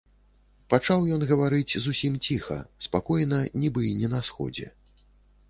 Пачаў ён гаварыць зусім ціха, спакойна, нібы і не на сходзе.